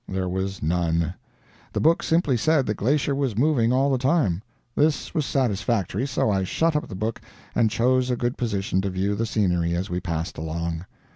There was none. The book simply said the glacier was moving all the time. This was satisfactory, so I shut up the book and chose a good position to view the scenery as we passed along.